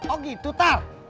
oh gitu tar